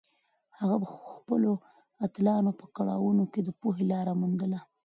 هغه د خپلو اتلانو په کړاوونو کې د پوهې لاره موندله.